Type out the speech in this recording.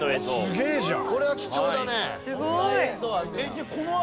すげえじゃん。